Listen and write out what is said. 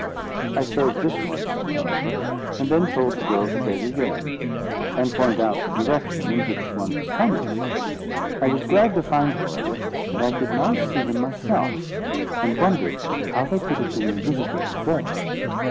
I served this one so, however; and then told the girl to beg again, and point out the direction in which one was coming. I was glad to find, however, that I could now see him myself, and wondered how they could have been invisible before.